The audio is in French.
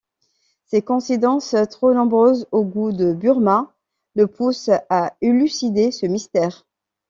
Ces coïncidences, trop nombreuses au goût de Burma, le poussent à élucider ce mystère.